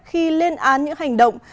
khi lên án những hành động